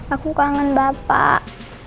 aku kangen bapak